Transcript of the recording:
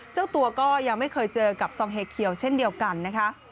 เจ้าตัวก็ยังไม่เคยเจอกับซองเฮเคียวเช่นเดียวกันนะคะ